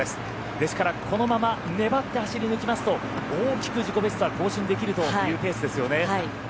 ですからこのまま粘って走りぬきますと大きく自己ベストは更新できるというペースですよね。